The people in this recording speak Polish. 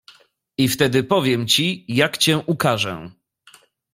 "I wtedy powiem ci, jak cię ukarzę."